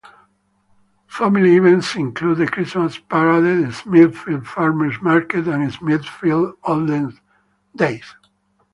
Family events include the Christmas Parade, the Smithfield Farmers Market, and Smithfield Olden Days.